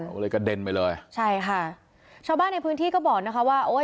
ก็เลยกระเด็นไปเลยใช่ค่ะชาวบ้านในพื้นที่ก็บอกนะคะว่าโอ้ย